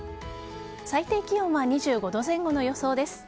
最低気温は２５度前後の予想です。